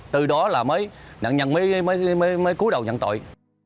từ đó là nạn nhân mới cứu đầu nhận tội